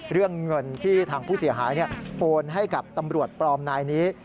เรื่องเงินที่ทางผู้เสียหายโอนให้กับตำรวจปลอมนายนี้